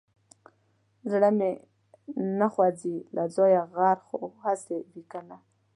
زړه مې نه خوځي له ځايه غر خو هسې وي کنه.